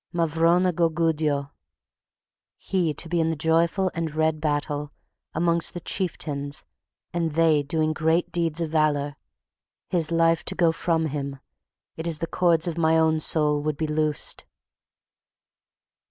Mavrone go Gudyo He to be in the joyful and red battle Amongst the chieftains and they doing great deeds of valor His life to go from him It is the chords of my own soul would be loosed.